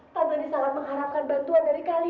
tante ini sangat mengharapkan bantuan dari kalian